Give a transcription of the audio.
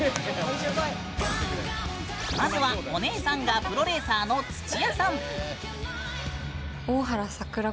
まずはお姉さんがプロレーサーの土屋さん。